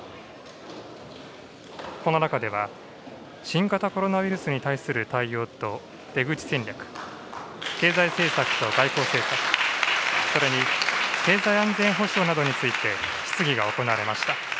この中では、新型コロナウイルスに対する対応と、出口戦略、経済政策と外交政策、それに経済安全保障などについて質疑が行われました。